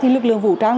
thì lực lượng vũ trang